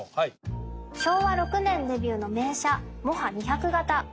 昭和６年デビューの名車モハ２００形。